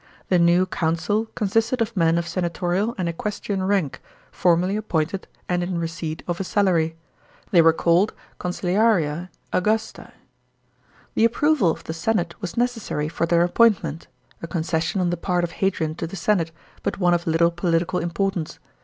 The new Council consisted of meii of senatorial and equestrian rank, formally appointed and in receipt of a salary. They were called consiliarii Augusti. rlhe approval of the senate was necessary for their appointment — a concession on the part of Hadrian to the senate, but one of little political importance.